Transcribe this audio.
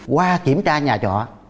qua kiểm tra nhà trọ